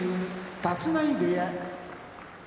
立浪部屋